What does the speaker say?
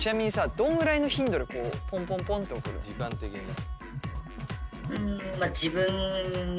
どんぐらいの頻度でポンポンポンって送るの？